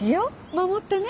守ってね。